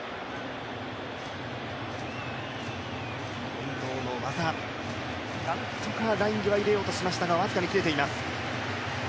近藤の技、何とかライン際に入れようとしていますが、僅かに切れています。